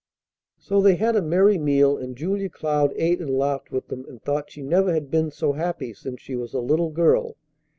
So they had a merry meal, and Julia Cloud ate and laughed with them, and thought she never had been so happy since she was a little girl.